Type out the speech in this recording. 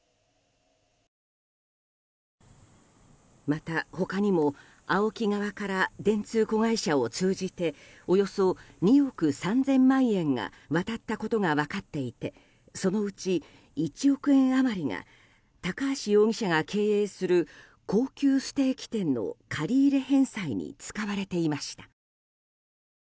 また、他にもＡＯＫＩ側から電通子会社を通じておよそ２億３０００万円が渡ったことが分かっていてそのうち１億円余りが高橋容疑者が経営する高級ステーキ店の借り入れ返済に使われていました。